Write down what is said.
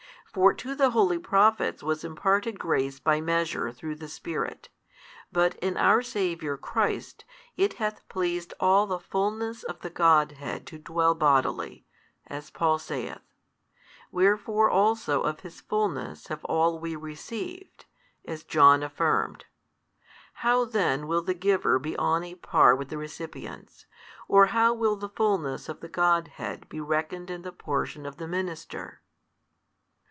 For to the holy Prophets was imparted grace by measure through the Spirit; but in our Saviour Christ it hath pleased all the full ness of the God head to dwell bodily, as Paul saith; wherefore also of His fullness have all we received, as John affirmed. How then will the Giver be On a par with the recipients, or how will the Fullness of the God head be reckoned in the portion of the minister?